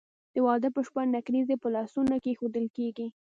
د واده په شپه نکریزې په لاسونو کیښودل کیږي.